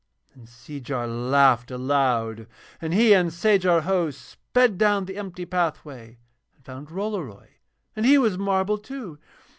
Then Seejar laughed aloud, and he and Sajar Ho sped down the empty pathway and found Rollory, and he was marble too.